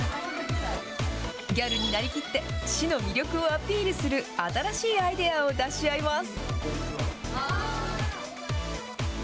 ギャルになりきって、市の魅力をアピールする新しいアイデアを出し合います。